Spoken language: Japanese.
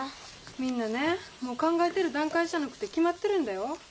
みんなねもう考えてる段階じゃなくて決まってるんだよ。